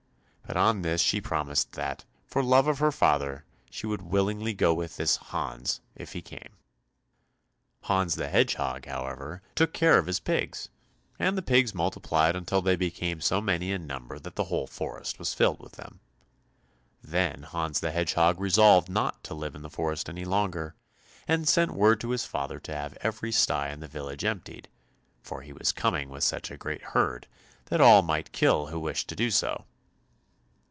But on this she promised that, for love of her father, she would willingly go with this Hans if he came. Hans the Hedgehog, however, took care of his pigs, and the pigs multiplied until they became so many in number that the whole forest was filled with them. Then Hans the Hedgehog resolved not to live in the forest any longer, and sent word to his father to have every stye in the village emptied, for he was coming with such a great herd that all might kill who wished to do so.